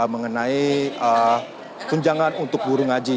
mengenai tunjangan untuk guru ngaji